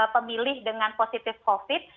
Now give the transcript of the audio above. pemilih dengan positif covid sembilan belas